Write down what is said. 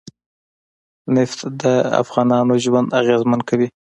نفت د افغانانو ژوند اغېزمن کوي.